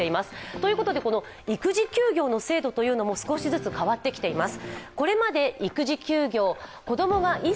ということで育児休業の制度も少しずつ変わってきています。